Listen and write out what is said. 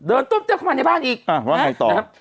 เดินตรงเตี๊ยวเข้ามาในบ้านอีกอ่ะว่าไงต่อนะครับ